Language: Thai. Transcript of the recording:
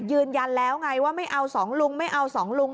ยืนยันแล้วไงว่าไม่เอาสองลุงไม่เอาสองลุง